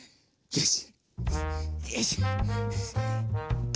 よし。